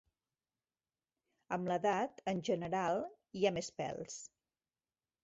Amb l'edat, en general, hi ha més pèls.